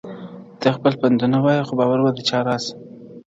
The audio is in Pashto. ته خپل پندونه وایه خو باور به د چا راسي!